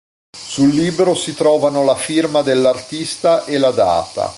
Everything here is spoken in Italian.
Sul libro si trovano la firma dell'artista e la data.